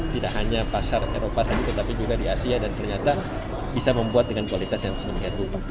tidak hanya pasar eropa saja tetapi juga di asia dan ternyata bisa membuat dengan kualitas yang sedemikian rupa